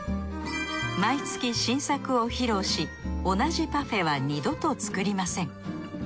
毎月新作を披露し同じパフェは二度と作りません。